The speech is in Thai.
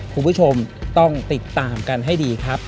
คุณผู้ชมต้องติดตามกันให้ดีครับ